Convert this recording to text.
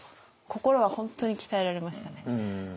心は本当に鍛えられましたね。